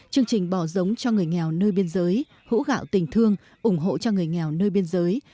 chương trình bỏ giống cho người nghèo nơi biên giới hũ gạo tình thương ủng hộ cho người nghèo nơi biên giới